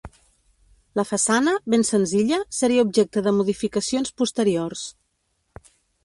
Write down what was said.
La façana, ben senzilla, seria objecte de modificacions posteriors.